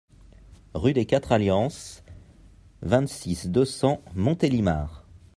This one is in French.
Rue des Quatre Alliances, vingt-six, deux cents Montélimar